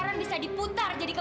kamu mencapai kekuasaan mereka